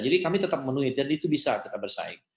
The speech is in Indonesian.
jadi kami tetap menuhi dan itu bisa kita bersaing